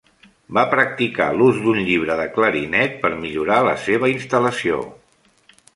Va practicar l'ús d'un llibre de clarinet per millorar la seva instal·lació.